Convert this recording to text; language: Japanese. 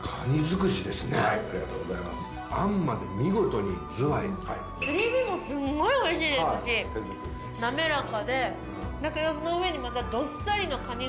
これでもすごいおいしいですし滑らかでだけどその上にまたどっさりのかにが。